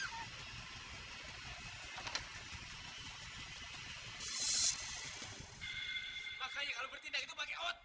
hai makanya kalau bertindak itu pakai otak otak